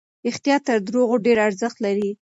رښتیا تر درواغو ډېر ارزښت لري.